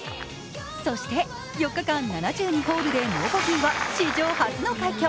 そして、４日間７２ホールでノーボギーは史上初の快挙。